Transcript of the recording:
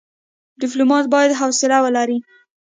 ډيپلومات بايد حوصله ولري.